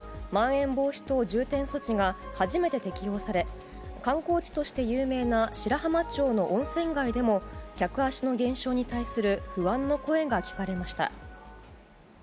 和歌山県では５日まん延防止等重点措置が初めて適用され観光地として有名な白浜町の温泉街でも客足の減少に対する不安の声が聞かれました。